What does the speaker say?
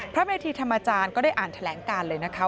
เมธีธรรมจารย์ก็ได้อ่านแถลงการเลยนะคะ